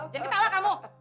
jangan ketawa kamu